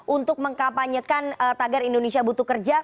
untuk mengkapanyedkan tagar indonesia butuh kerja